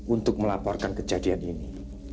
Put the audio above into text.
untuk melaporkan kejadian ini